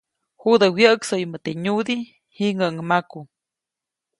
Judä wyäʼksäyumäʼ teʼ nyudiʼ, jiŋäʼuŋ maku.